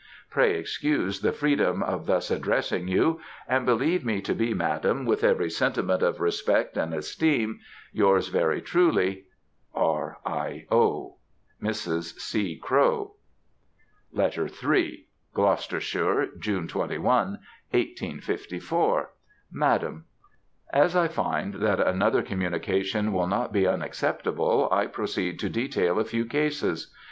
Pray excuse the freedom of thus addressing you, and believe me to be Madam, with every sentiment of respect and esteem, Yours, very truly, Mrs. C. Crowe. R. I. O. LETTER III. Gloucestershire, June 21, 1854. MADAM, As I find that another communication will not be unacceptable, I proceed to detail a few cases.